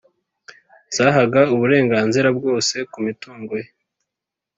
zahaga uburenganzira bwose kumitungoye